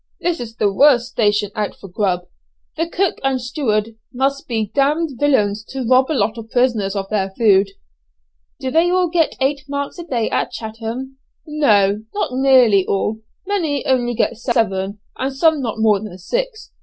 This is the worst station out for 'grub.' The cook and steward must be d villains to rob a lot of prisoners of their food." "Do they all get eight marks a day at Chatham?" "No, not nearly all; many only get seven, and some not more than six.